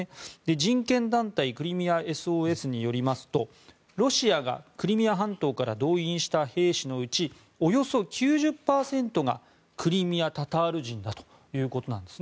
人権団体クリミアＳＯＳによりますとロシアがクリミア半島から動員した兵士のうちおよそ９０％がクリミア・タタール人だということなんです。